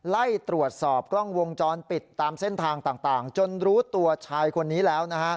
ไล่ตรวจสอบกล้องวงจรปิดตามเส้นทางต่างจนรู้ตัวชายคนนี้แล้วนะฮะ